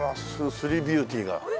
スリービューティーが。